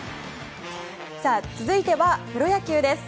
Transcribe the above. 続いてはプロ野球です。